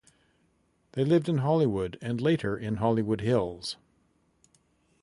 They lived in Hollywood and later in Hollywood Hills.